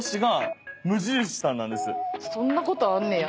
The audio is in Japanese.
そんなことあんねや。